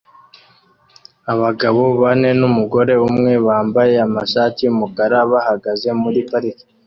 Abagabo bane numugore umwe bambaye amashati yumukara bahagaze muri parike